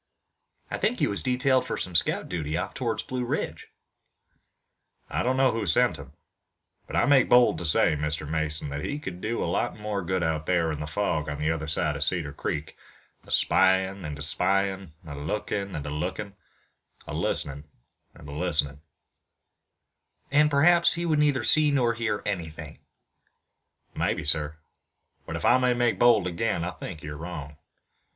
"I think he was detailed for some scout duty off toward the Blue Ridge." "I don't know who sent him, but I make bold to say, Mr. Mason, that he could do a lot more good out there in the fog on the other side of Cedar Creek, a spyin' and a spyin', a lookin' and a lookin', a listenin' and a listenin'." "And perhaps he would neither see nor hear anything" "Maybe, sir, but if I may make bold again, I think you're wrong.